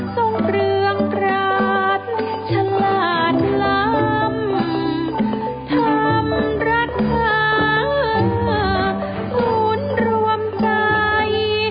ธรรมรัฐภาหลุดรวมใจ